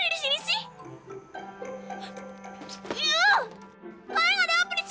mereka harus ikut pelajaran mereka harus